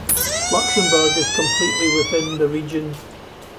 Luxembourg is completely within the region.